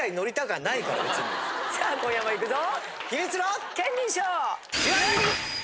さあ今夜も行くぞ！